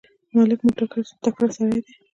ملک مو تکړه سړی دی.